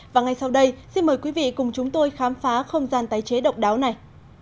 và ngay sau đây xin mời quý vị cùng chúng tôi khám phá không gian tái chế độc đáo này